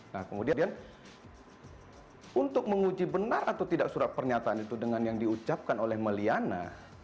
nah kemudian untuk menguji benar atau tidak surat pernyataan itu dengan yang diucapkan oleh may liana